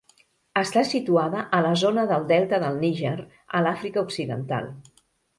Està situada a la zona del Delta del Níger a l'Àfrica Occidental.